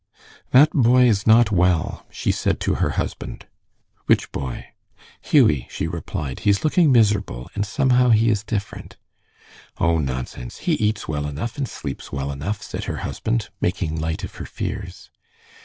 "That boy is not well," she said to her husband. "Which boy?" "Hughie," she replied. "He is looking miserable, and somehow he is different." "Oh, nonsense! He eats well enough, and sleeps well enough," said her husband, making light of her fears.